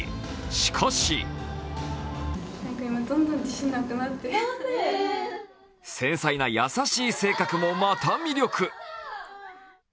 しかし繊細な優しい性格もまた魅力。